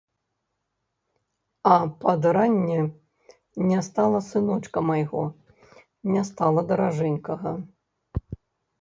А пад ранне не стала сыночка майго, не стала даражэнькага.